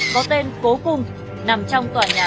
có tên cố cung nằm trong tòa nhà triều nam